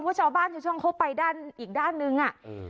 ผู้ชาวบ้านเข้าไปด้านอีกด้านนึงอ่ะอืม